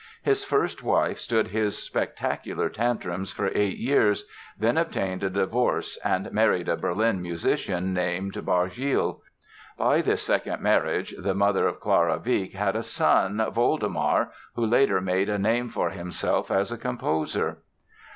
His first wife stood his spectacular tantrums for eight years, then obtained a divorce and married a Berlin musician named Bargiel. By this second marriage the mother of Clara Wieck had a son, Woldemar, who later made a name for himself as a composer.